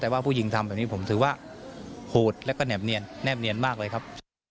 แต่ว่าผู้หญิงทำแบบนี้ผมถือว่าโหดแล้วก็แหนบเนียนแนบเนียนมากเลยครับ